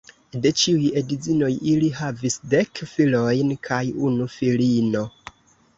De ĉiuj edzinoj ili havis dek filojn kaj unu filino.